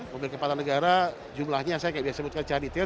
mobil kepala negara jumlahnya saya biasa sebutkan car detail